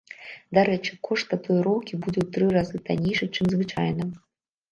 Дарэчы, кошт татуіроўкі будзе ў тры разы таннейшым, чым звычайна.